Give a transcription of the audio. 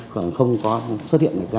thì không có xuất hiện